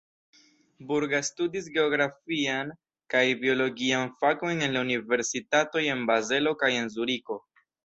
Burga studis geografiajn kaj biologiajn fakojn en la universitatoj en Bazelo kaj en Zuriko.